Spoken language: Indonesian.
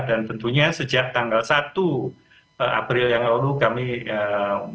dan tentunya sejak tanggal satu april yang lalu kami mengadakan